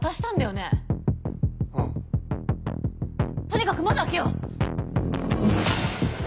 とにかく窓開けよう！